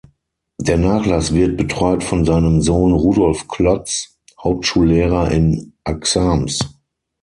Der Nachlass wird betreut von seinem Sohn Rudolf Klotz, Hauptschullehrer in Axams.